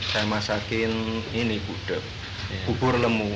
saya masakin ini gudeg bubur lemu